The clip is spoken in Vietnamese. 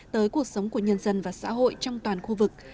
tới cuộc sống của nhân dân và xã hội trong toàn khu vực